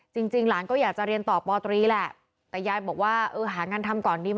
จริงจริงหลานก็อยากจะเรียนต่อปตรีแหละแต่ยายบอกว่าเออหางานทำก่อนดีไหม